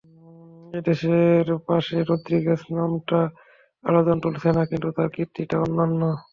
এঁদের পাশে রদ্রিগেজ নামটা আলোড়ন তুলছে না, কিন্তু তাঁর কীর্তিটা অনন্য।